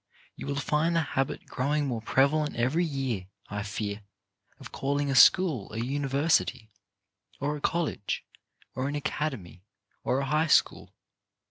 You will find the habit growing more prevalent every year, I fear, of calling a school a university, or a college, or an academy, or a high school.